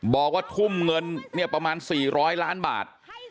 บอกว่าทุ่มเงินเนี่ยประมาณ๔๐๐ล้านบาท